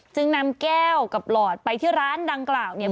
จึงนำแก้วกับหลอดไปที่ร้านดังกล่าวเนี่ย